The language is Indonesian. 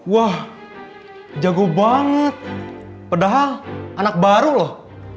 wah jago banget padahal anak baru loh